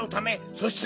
そして。